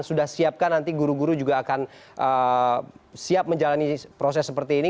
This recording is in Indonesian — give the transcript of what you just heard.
sudah siapkan nanti guru guru juga akan siap menjalani proses seperti ini